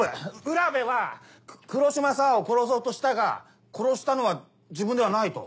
浦辺は黒島沙和を殺そうとしたが殺したのは自分ではないと？